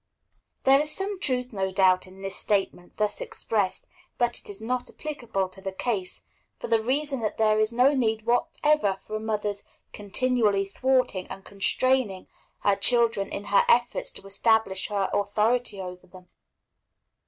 There is some truth, no doubt, in this statement thus expressed, but it is not applicable to the case, for the reason that there is no need whatever for a mother's "continually thwarting and constraining" her children in her efforts to establish her authority over them.